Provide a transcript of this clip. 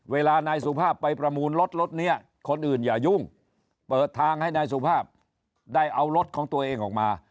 เวลานายสุภาพไปประมูลรถรถนี้คนอื่นอย่ายุ่งเปิดทางให้นายสุภาพได้เอารถของตัวเองออกมา